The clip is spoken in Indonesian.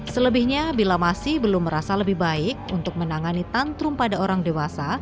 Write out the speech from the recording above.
selebihnya bila masih belum merasa lebih baik untuk menangani tantrum pada orang dewasa